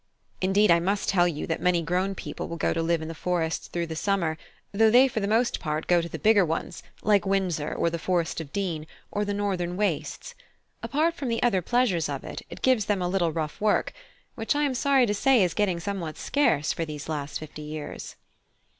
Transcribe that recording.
Indeed, I must tell you that many grown people will go to live in the forests through the summer; though they for the most part go to the bigger ones, like Windsor, or the Forest of Dean, or the northern wastes. Apart from the other pleasures of it, it gives them a little rough work, which I am sorry to say is getting somewhat scarce for these last fifty years."